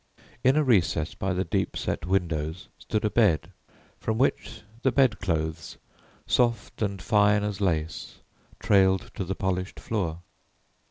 In a recess by the deep set windows stood a bed, from which the bedclothes, soft and fine as lace, trailed to the polished floor.